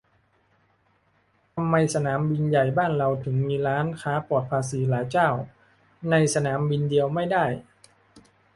ทำไมสนามบินใหญ่บ้านเราถึงมีร้านค้าปลอดภาษีหลายเจ้าในสนามบินเดียวไม่ได้